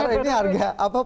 ini harga apa